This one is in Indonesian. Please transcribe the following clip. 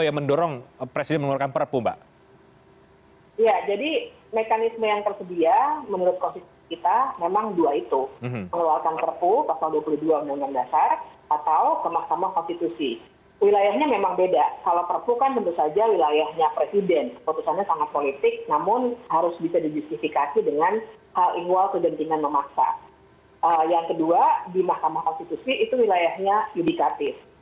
yang kedua di mahkamah konstitusi itu wilayahnya judikatif